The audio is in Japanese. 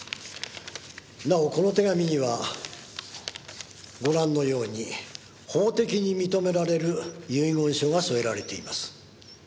なおこの手紙にはご覧のように法的に認められる遺言書が添えられています。